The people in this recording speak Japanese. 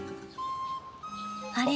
あれ？